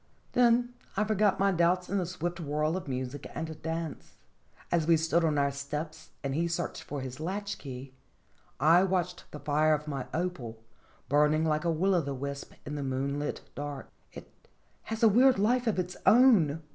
Then I forgot my doubts in the swift whirl of music and dance. As we stood on our steps and he searched for his latch key, I watched the fire of my opal, burning like a will o' the wisp in the moon lit dark. " It has a weird life of its own!"